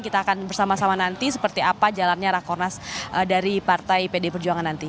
kita akan bersama sama nanti seperti apa jalannya rakornas dari partai pd perjuangan nanti